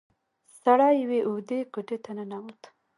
سړی يوې اوږدې کوټې ته ننوت.